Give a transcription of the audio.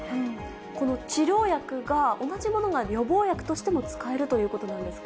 この治療薬が、同じものが予防薬として、使えるということなんですか。